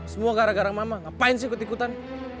semua gara gara mama ngapain sih ikut ikutan